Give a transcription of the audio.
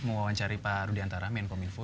mewawancari pak rudiantara menkominfo